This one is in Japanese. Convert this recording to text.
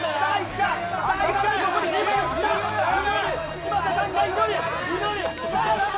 嶋佐さんが祈る、祈る！